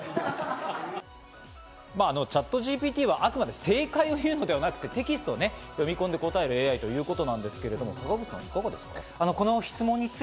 まぁ、ＣｈａｔＧＰＴはあくまで正解を言うのではなくてテキストを読み込んで答えるＡＩということですけど、坂口さん。